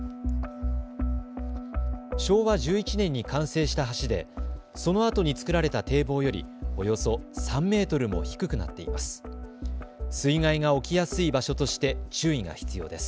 昭和１１年に完成した橋でそのあとに作られた堤防よりおよそ３メートルも低くなっています。